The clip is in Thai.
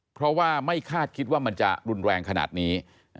เพราะว่าไม่คาดคิดว่ามันจะรุนแรงขนาดนี้